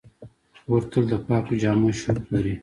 خور تل د پاکو جامو شوق لري.